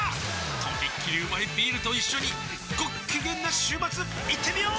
とびっきりうまいビールと一緒にごっきげんな週末いってみよー！